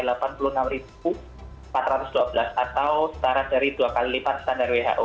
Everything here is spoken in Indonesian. jadi ini adalah empat puluh enam empat ratus dua belas atau setara dari dua kali lipat standar who